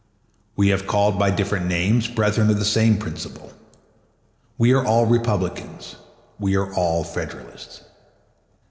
We have called by different names brethren of the same principle. We are all Republicans, we are all Federalists.